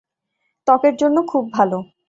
ত্বকের জন্য খুব ভাল।